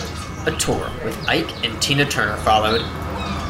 A tour with Ike and Tina Turner followed.